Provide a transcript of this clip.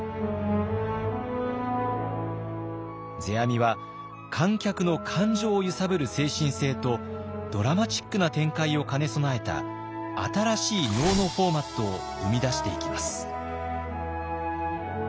世阿弥は観客の感情を揺さぶる精神性とドラマチックな展開を兼ね備えた新しい能のフォーマットを生み出していきます。